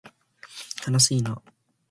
かなしいな